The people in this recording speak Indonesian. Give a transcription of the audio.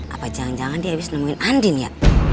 apa jangan jangan dia habis nemuin andin ya